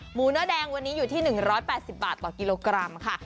หมูเนื้อแดงวันนี้อยู่ที่๑๘๐บาทต่อกิโลกรัมค่ะ